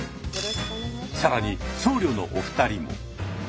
更に僧侶のお二人も。